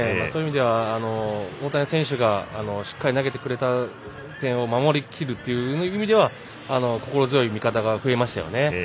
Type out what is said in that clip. そういう意味では大谷選手がしっかり投げてくれた点を守りきるというところでは心強い味方が増えましたよね。